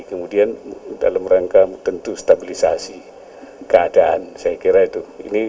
kemudian dalam rangka tentu stabilisasi keadaan saya kira itu